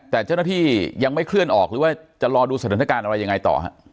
แต่เจ้าหน้าที่ยังไม่เคลื่อนออกหรือว่าจะรอดูสถานการณ์อะไรยังไงต่อฮะ